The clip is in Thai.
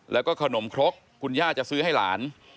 แล้วก็ขนมครกคุณย่าจะซื้อให้หลาน